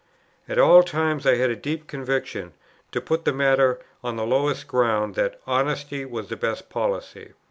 At all times I had a deep conviction, to put the matter on the lowest ground, that "honesty was the best policy."